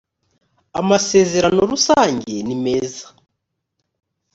amasezerano rusange nimeza .